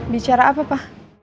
bicara apa pa